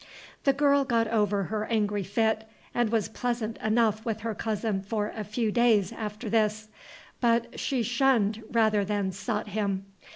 The girl got over her angry fit, and was pleasant enough with her cousin for a few days after this; but she shunned rather than sought him.